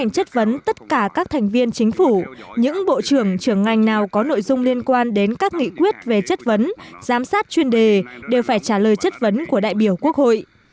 chất vấn tất cả các thành viên chính phủ những bộ trưởng trưởng ngành nào có nội dung liên quan đến các nghị quyết về chất vấn giám sát chuyên đề đều phải trả lời chất vấn của đại biểu quốc hội